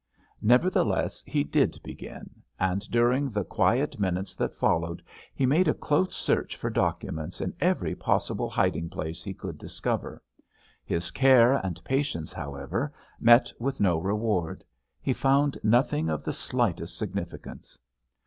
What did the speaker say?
Nevertheless, he did begin, and during the quiet minutes that followed he made a close search for documents in every possible hiding place he could discover. His care and patience, however, met with no reward; he found nothing of the slightest significance.